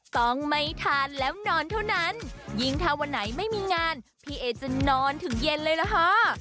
ต้องไม่ทานแล้วนอนเท่านั้นยิ่งถ้าวันไหนไม่มีงานพี่เอจะนอนถึงเย็นเลยล่ะค่ะ